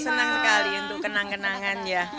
senang sekali untuk kenang kenangan ya